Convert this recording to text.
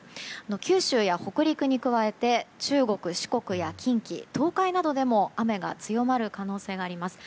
九州や北陸に加えて中国・四国や近畿東海などでも雨が強まる可能性があります。